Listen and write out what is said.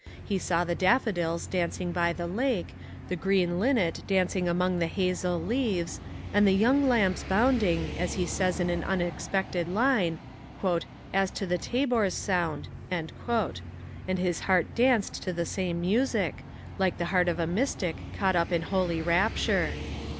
He saw the daffodils dancing by the lake, the green linnet dancing among the hazel leaves, and the young lambs bounding, as he says in an unexpected line, "as to the tabor's sound," and his heart danced to the same music, like the heart of a mystic caught up in holy rapture.